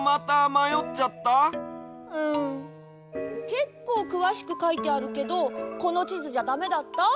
けっこうくわしくかいてあるけどこのちずじゃダメだった？